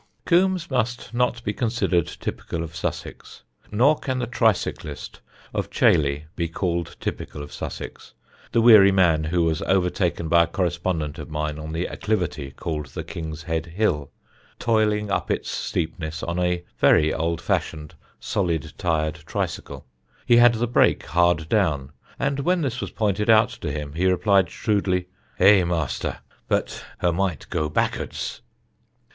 Coombs must not be considered typical of Sussex. Nor can the tricyclist of Chailey be called typical of Sussex the weary man who was overtaken by a correspondent of mine on the acclivity called the King's Head Hill, toiling up its steepness on a very old fashioned, solid tyred tricycle. He had the brake hard down, and when this was pointed out to him, he replied shrewdly, "Eh master, but her might goo backards."